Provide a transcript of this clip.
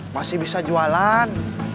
masih bisa jualan